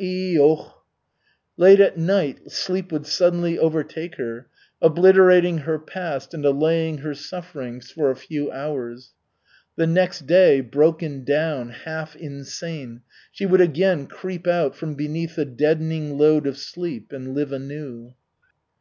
I okh!" Late at night sleep would suddenly overtake her, obliterating her past and allaying her sufferings for a few hours. The next day, broken down, half insane, she would again creep out from beneath the deadening load of sleep and live anew.